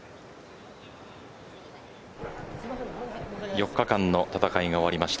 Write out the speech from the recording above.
４日間の戦いが終わりました。